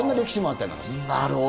なるほど。